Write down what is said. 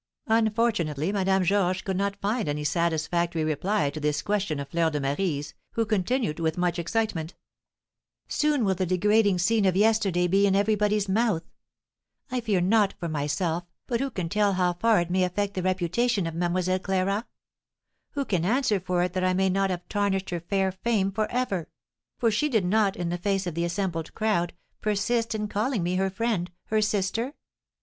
Unfortunately Madame Georges could not find any satisfactory reply to this question of Fleur de Marie's, who continued with much excitement: "Soon will the degrading scene of yesterday be in everybody's mouth! I fear not for myself, but who can tell how far it may affect the reputation of Mlle. Clara? Who can answer for it that I may not have tarnished her fair fame for ever? for did she not, in the face of the assembled crowd, persist in calling me her friend her sister?